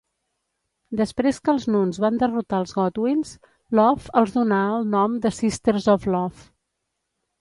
Després que els Nuns van derrotar els Godwinns, Love els donar el nom de Sisters of Love.